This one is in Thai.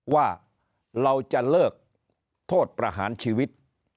ว่าเราจะเลิกโทษประหารชีวิต